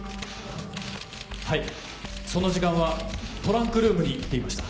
はいその時間はトランクルームに行っていました。